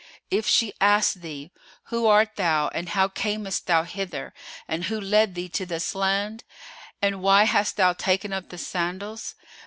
If she ask thee, 'Who art thou and how camest thou hither and who led thee to this land? And why hast thou taken up the sandals?